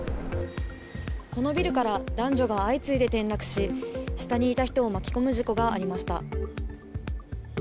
このビルから男女が相次いで転落し下にいた人を巻き込む事故がありました。